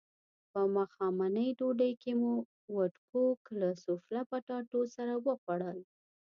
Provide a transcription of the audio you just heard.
په ماښامنۍ ډوډۍ کې مو وډکوک له سوفله پټاټو سره وخوړل.